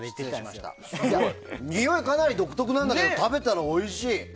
すごい、においかなり独特なんだけど食べたらおしいい！